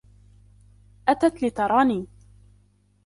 أتت لتراني.